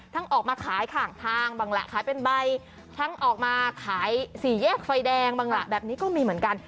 ออกมาขายข้างทางบ้างแหละขายเป็นใบทั้งออกมาขายสี่แยกไฟแดงบ้างล่ะแบบนี้ก็มีเหมือนกัน